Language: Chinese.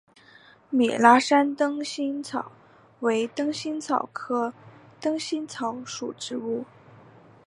米拉山灯心草为灯心草科灯心草属的植物。